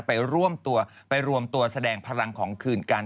ไปร่วมตัวไปรวมตัวแสดงพลังของคืนกัน